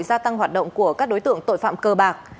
gia tăng hoạt động của các đối tượng tội phạm cơ bạc